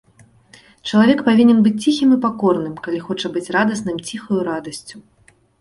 Чалавек павінен быць ціхім і пакорным, калі хоча быць радасным ціхаю радасцю.